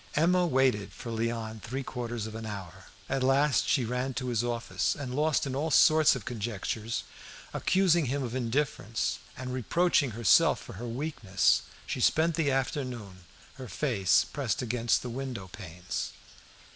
Emma waited for Léon three quarters of an hour. At last she ran to his office; and, lost in all sorts of conjectures, accusing him of indifference, and reproaching herself for her weakness, she spent the afternoon, her face pressed against the window panes.